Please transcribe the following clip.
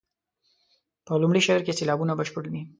په لومړي شعر کې سېلابونه بشپړ دي.